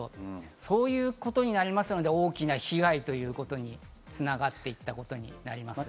そういうことになりますので大きな被害ということに繋がっていったことになります。